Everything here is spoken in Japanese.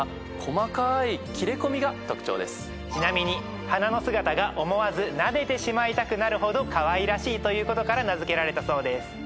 ちなみに花の姿が思わずなでてしまいたくなるほどかわいらしいということから名付けられたそうです。